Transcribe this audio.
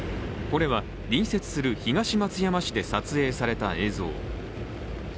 これは、隣接する東松山市で撮影された映像。